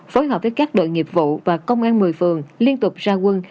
phối hợp với các đội nghiệp vụ và công an một mươi phường liên tục ra quân